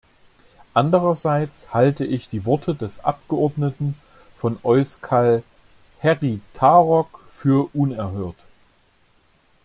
Andererseits halte ich die Worte des Abgeordneten von Euskal Herritarrok für unerhört.